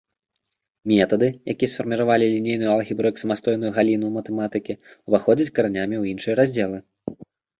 Метады, якія сфарміравалі лінейную алгебру як самастойную галіну матэматыкі, уваходзяць каранямі ў іншыя раздзелы.